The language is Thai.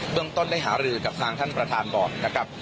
เรื่องต้นได้หารือกับทางท่านประธานก่อนนะครับ